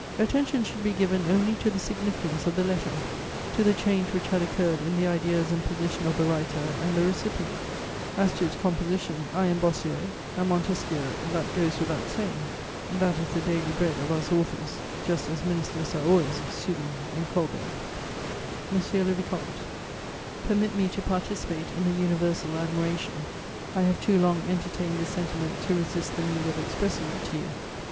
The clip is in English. Attention should be given only to the significance of the letter, to the change which had occurred in the ideas and position of the writer and the recipient: as to its composition, I am "Bossuet" and "Montesquieu," that goes without saying; that is the daily bread of us authors, just as ministers are always Sully and Colbert. [Sidenote: Letter from General Sébastiani.] "MONSIEUR LE VICOMTE, "Permit me to participate in the universal admiration: I have too long entertained this sentiment to resist the need of expressing it to you.